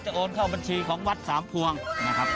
โอนเข้าบัญชีของวัดสามพวงนะครับ